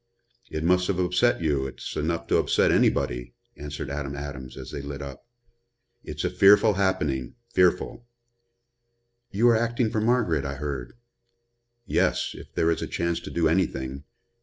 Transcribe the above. "It must have upset you it's enough to upset anybody," answered Adam Adams, as they lit up. "It's a fearful happening, fearful." "You are acting for Margaret, I heard." "Yes if there is a chance to do anything.